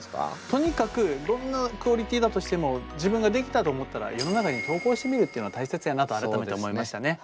とにかくどんなクオリティーだとしても自分が出来たと思ったら世の中に投稿してみるっていうのが大切やなと改めて思いましたね。